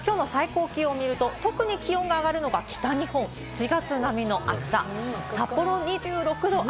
今日の最高気温を見ると特に気温が上がるのが北日本、７月並みの暑さ。